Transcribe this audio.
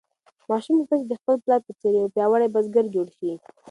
ماشوم غوښتل چې د خپل پلار په څېر یو پیاوړی بزګر شي.